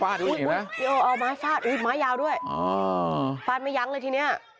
เอาไม้พาดไม้ยาวด้วยมายั้งเลยทีเนี้ย